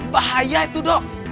bahaya itu dok